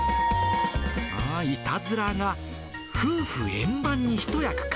いたずらが夫婦円満に一役買